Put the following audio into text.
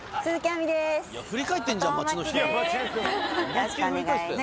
よろしくお願いします。